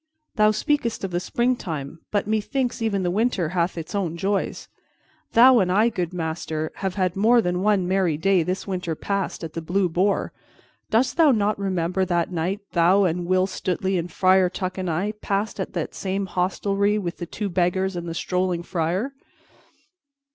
Thou speakest of the springtime, but methinks even the winter hath its own joys. Thou and I, good master, have had more than one merry day, this winter past, at the Blue Boar. Dost thou not remember that night thou and Will Stutely and Friar Tuck and I passed at that same hostelry with the two beggars and the strolling friar?"